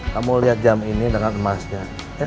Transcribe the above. kamu lihat jam ini dengan emasnya